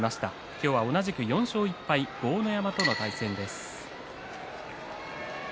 今日は同じく４勝１敗の豪ノ山との対戦です。